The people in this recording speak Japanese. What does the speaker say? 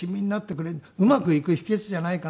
うまくいく秘訣じゃないかな。